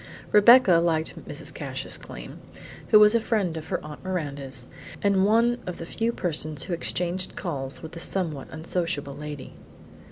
Rebecca liked Mrs. Cassius Came, who was a friend of her Aunt Miranda's and one of the few persons who exchanged calls with that somewhat unsociable lady.